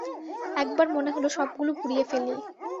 একবার মনে হল, সবগুলো পুড়িয়ে ফেলি।